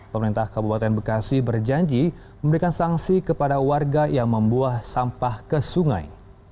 pemerintah kabupaten bekasi berjanji memberikan sanksi kepada warga yang membuah sampah ke sungai